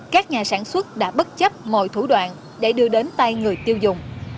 các nhà sản xuất đã bất chấp mọi thủ đoạn để đưa đến tay người tiêu dùng